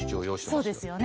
そうですよね。